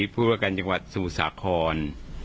ผู้บริวารการจังหวัดสมุทรสครขอน